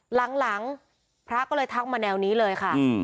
หลังพระก็เลยทักมาแนวนี้เลยค่ะ